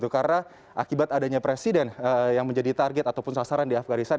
karena akibat adanya presiden yang menjadi target ataupun sasaran di afghanistan